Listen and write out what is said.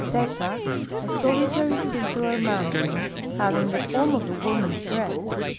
'J'eta. — A solitary, circular mountain having the form of a woman's breast.